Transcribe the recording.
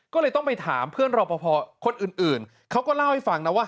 ก็เลยต้องไปถามเพื่อนรอปภคนอื่นเขาก็เล่าให้ฟังนะว่า